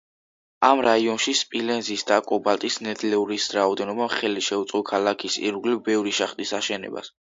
ამ რაიონში სპილენძის და კობალტის ნედლეულის რაოდენობამ ხელი შეუწყო ქალაქის ირგვლივ ბევრი შახტის აშენებას.